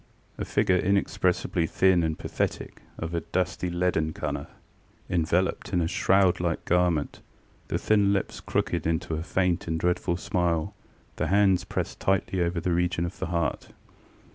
A figure inexpressibly thin and pathetic, of a dusty leaden colour, enveloped in a shroud like garment, the thin lips crooked into a faint and dreadful smile, the hands pressed tightly over the region of the heart.